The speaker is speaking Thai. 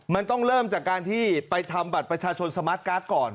มันต้องเริ่มจากการที่ไปทำบัตรประชาชนสมาร์ทการ์ดก่อน